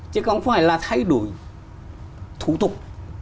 chứ không phải là thay đổi thủ tục